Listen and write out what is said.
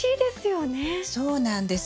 そうなんです。